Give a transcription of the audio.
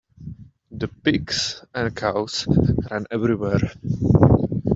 The pigs and cows ran everywhere.